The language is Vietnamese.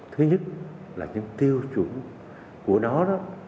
thứ nhất là những tiêu chuẩn của nó đó